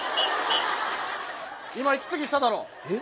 今息継ぎしただろ！え？